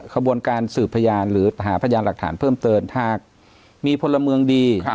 ขบวนการสืบพยานหรือหาพยานหลักฐานเพิ่มเติมหากมีพลเมืองดี